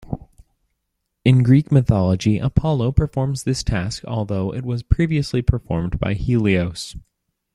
In Greek mythology, Apollo performs this task, although it was previously performed by Helios.